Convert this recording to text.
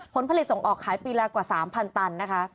ผลผลิตส่งออกขายปีละกว่า๓๐๐ตันนะคะ